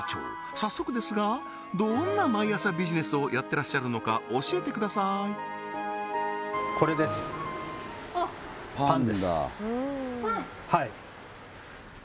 早速ですがどんな毎朝ビジネスをやってらっしゃるのか教えてくださいこれですパン？